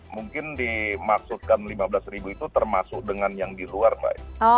mungkin dimaksudkan lima belas ribu itu termasuk dengan yang di luar mbak